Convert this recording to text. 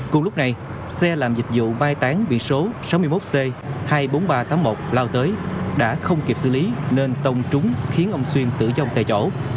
cùng lúc này xe làm dịch vụ mai táng bị số sáu mươi một c hai mươi bốn nghìn ba trăm tám mươi một lao tới đã không kịp xử lý nên tông trúng khiến ông xuyên tử vong tại chỗ